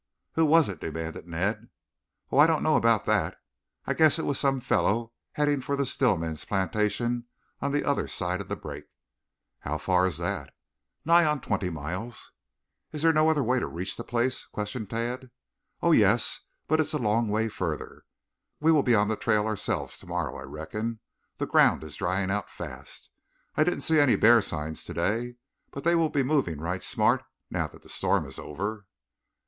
"Who was it?" demanded Ned. "Oh, I don't know about that. I guess it was some fellow heading for Stillman's plantation on the other side of the brake." "How far is that?" "Nigh onto twenty miles." "Is there no other way to reach the place?" questioned Tad. "Oh, yes, but it's a long way further. We will be on the trail ourselves tomorrow, I reckon. The ground is drying out fast. I didn't see any bear signs today, but they will be moving right smart, now that the storm is over."